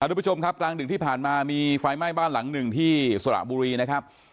ทุกผู้ชมครับกลางดึกที่ผ่านมามีไฟไหม้บ้านหลังหนึ่งที่สระบุรีนะครับ